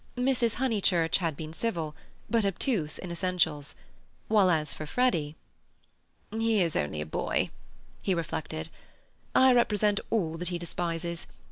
Mrs. Honeychurch had been civil, but obtuse in essentials, while as for Freddy—"He is only a boy," he reflected. "I represent all that he despises.